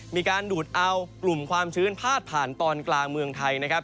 มีการดูดเอากลุ่มความชื้นพาดผ่านตอนกลางเมืองไทยนะครับ